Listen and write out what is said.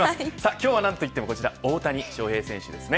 今日は何といってもこちら、大谷翔平選手ですね。